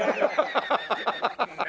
ハハハハハ！